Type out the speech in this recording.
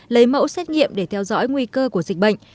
lấy mẫu xét nghiệm để theo dõi nguy cơ của dịch bệnh